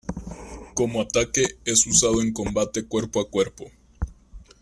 Como ataque es usado en combate cuerpo a cuerpo.